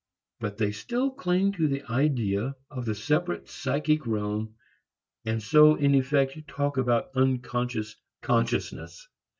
But they still cling to the idea of the separate psychic realm and so in effect talk about unconscious consciousness.